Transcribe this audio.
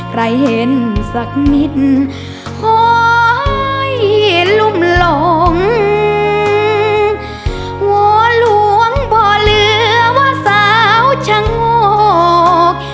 ใครเห็นสักนิดขอให้ลุ่มหลงวอลหลวงบ่อเหลือว่าสาวชะโงก